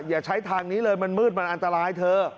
อย่าใช้ทางนี้เลยมันมืดมันอันตรายเธอ